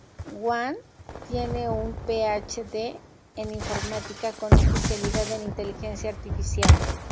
Wang Tiene un PhD en informática con especialidad en inteligencia artificial.